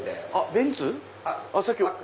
ベンツ？